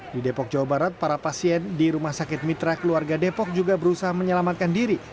di depok jawa barat para pasien di rumah sakit mitra keluarga depok juga berusaha menyelamatkan diri